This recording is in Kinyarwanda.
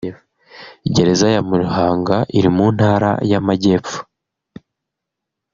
Gereza ya Muhanga iri mu Ntara y’Amajyepfo